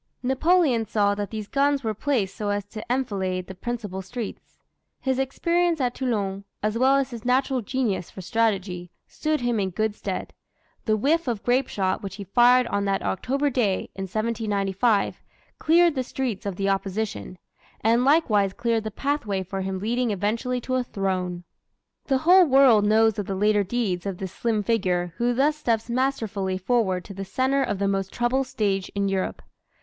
Napoleon saw that these guns were placed so as to enfilade the principal streets. His experience at Toulon, as well as his natural genius for strategy, stood him in good stead. The "whiff of grape shot" which he fired on that October day, in 1795, cleared the streets of the opposition and likewise cleared the pathway for him leading eventually to a throne. The whole world knows of the later deeds of this slim figure who thus steps masterfully forward to the center of the most troubled stage in Europe.